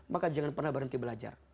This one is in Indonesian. maka jangan pernah berhenti belajar